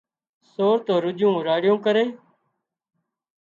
سور تو رُڄيون راڙيون ڪري